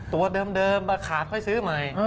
ตัวเดิมมาขาดค่อยซื้อใหม่